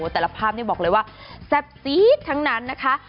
แต่ละภาพนี้บอกเลยว่าแซ่บซี๊ดทั้งนั้นนะคะ